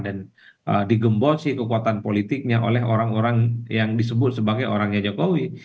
dan digembosin kekuatan politiknya oleh orang orang yang disebut sebagai orangnya jokowi